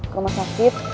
ke rumah sakit